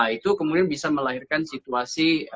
itu kemudian bisa melahirkan situasi